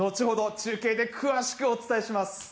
中継で詳しくお伝えします。